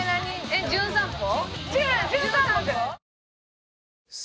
えっ『じゅん散歩』？